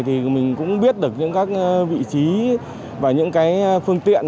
thì mình cũng biết được những vị trí và những phương tiện